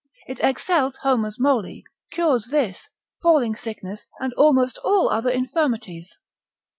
It excels Homer's moly, cures this, falling sickness, and almost all other infirmities.